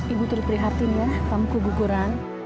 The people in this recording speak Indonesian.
ibu terperhatin ya kamu kugur kuguran